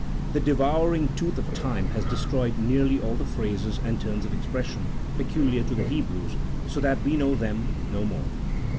The devouring tooth of time has de stroyed nearly all the phrases and turns of expression peculiar to the Hebrews, so that we know them no more.